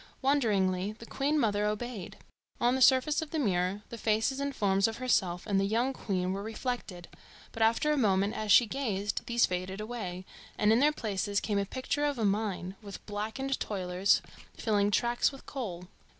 Wonderingly, the Queen mother obeyed. On the surface of the mirror the faces and forms of herself and the young queen were reflected; but after a few moments, as she gazed, these faded away, and in their places came a picture of a mine, with blackened toilers filling tracks with coal.